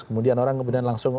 kemudian orang kemudian langsung